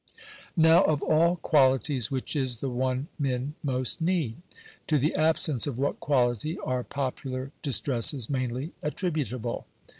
Now of all qualities which is the one men most need ? To the absence of what quality are popular distresses mainly at tributable?